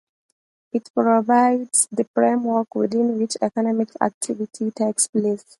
It provides the framework within which economic activity takes place.